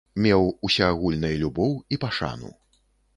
Меў усеагульнай любоў і пашану.